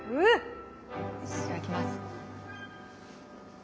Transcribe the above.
いただきます。